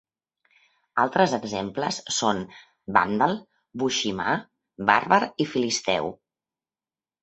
Altres exemples són vàndal, boiximà, bàrbar i filisteu.